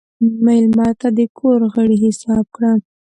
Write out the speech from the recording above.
مېلمه ته د کور غړی حساب کړه.